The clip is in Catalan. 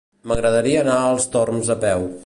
M'agradaria anar als Torms a peu.